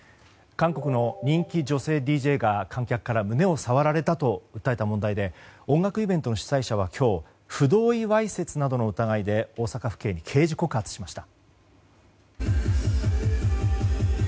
韓国の人気女性ＤＪが観客から胸を触られたと訴えた問題で音楽イベントの主催者は今日不同意わいせつの疑いで大阪府警に刑事告発しました。